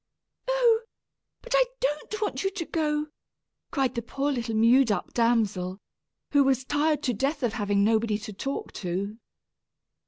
"Oh! but I don't want you to go!" cried the poor little mewed up damsel, who was tired to death of having nobody to talk to.